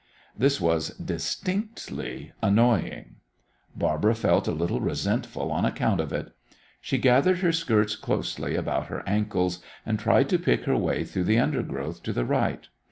This was distinctly annoying. Barbara felt a little resentful on account of it. She gathered her skirts closely about her ankles, and tried to pick her way through the undergrowth to the right.